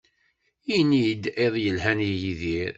Ini-d iḍ yelhan a Yidir.